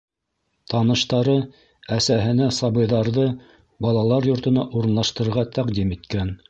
Таныштары әсәһенә сабыйҙарҙы балалар йортона урынлаштырырға тәҡдим иткән.